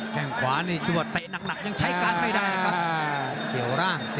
แข่งขวานี่ชอบเตะหนักยังใช้การไม่ได้นะครับ